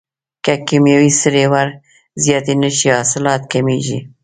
که کیمیاوي سرې ور زیاتې نشي حاصلات کمیږي.